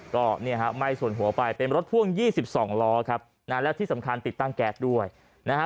ก็ไม่ส่วนหัวไปเป็นรถพ่วง๒๒ล้อครับและที่สำคัญติดตั้งแก๊สด้วยนะฮะ